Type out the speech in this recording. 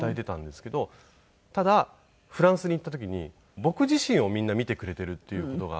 ただフランスに行った時に僕自身をみんな見てくれているっていう事が。